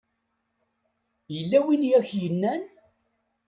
Yella win i ak-yennan?